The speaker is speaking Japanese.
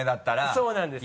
そうなんです。